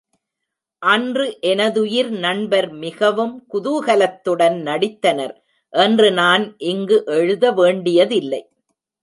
அன்று எனதுயிர் நண்பர் மிகவும் குதூகலத்துடன் நடித்தனர் என்று நான் இங்கு எழுத வேண்டியதில்லை.